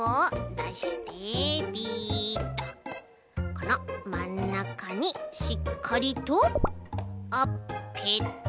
このまんなかにしっかりとあっペタリ！